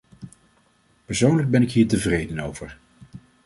Persoonlijk ben ik hier tevreden over.